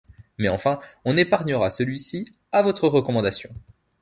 Mais enfin, on épargnera celui-ci, à votre recommandation.